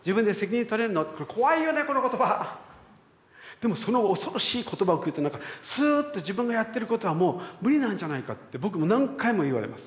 でもその恐ろしい言葉を聞くとなんかスーッと自分がやってることはもう無理なんじゃないかって僕も何回も言われます。